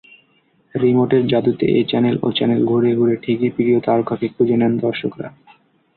রিমোটের জাদুতে এ-চ্যানেল ও-চ্যানেল ঘুরে ঘুরে ঠিকই প্রিয় তারকাকে খুঁজে নেন দর্শকরা।